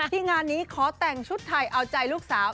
งานนี้ขอแต่งชุดไทยเอาใจลูกสาว